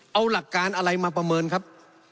เอาหลักการอะไรมาประเมินครับ